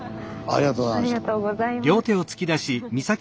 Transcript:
ありがとうございます。